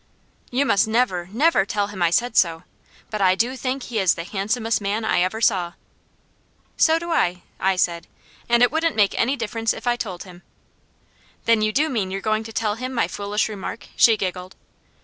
"You must never, never tell him I said so, but I do think he is the handsomest man I ever saw." "So do I," I said, "and it wouldn't make any difference if I told him." "Then do you mean you're going to tell him my foolish remark?" she giggled.